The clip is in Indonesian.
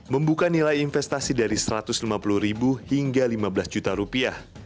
membuka nilai investasi dari satu ratus lima puluh ribu hingga lima belas juta rupiah